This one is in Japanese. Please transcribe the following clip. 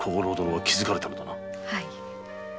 はい。